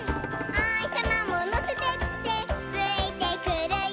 「おひさまものせてってついてくるよ」